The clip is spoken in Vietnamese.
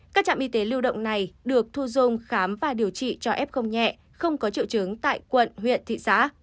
các trạm y tế lưu động này được thu dung khám và điều trị cho f nhẹ không có triệu chứng tại quận huyện thị xã